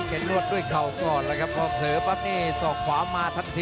นวดด้วยเข่าก่อนแล้วครับพอเผลอปั๊บนี่สอกขวามาทันที